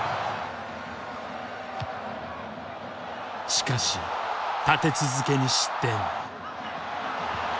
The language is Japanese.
しかし立て続けに失点。